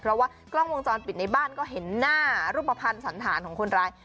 เพราะว่ากล้องวงจรปิดในบ้านก็เห็นหน้ารูปภัณฑ์สันธารของคนร้าย